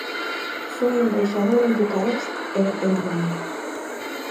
Foi embaixador en Bucarest e en Roma.